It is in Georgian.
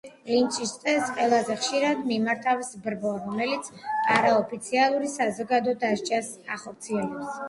ლინჩის წესს ყველაზე ხშირად მიმართავს ბრბო, რომელიც არაოფიციალურ საზოგადო დასჯას ახორციელებს.